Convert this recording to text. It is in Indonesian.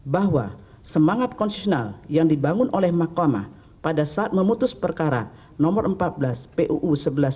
bahwa semangat konsesional yang dibangun oleh mahkamah pada saat memutus perkara nomor empat belas puu sebelas dua ribu tiga belas